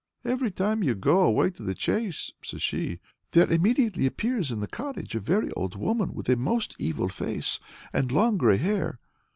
"Every time you go away to the chase," says she, "there immediately appears in the cottage a very old woman with a most evil face, and long grey hair.